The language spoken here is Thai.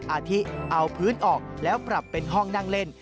อาทิเอาพื้นออกแล้วปรับเป็นห้องนั่งเล่น